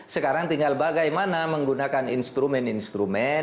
sekarang tinggal bagaimana menggunakan instrumen instrumen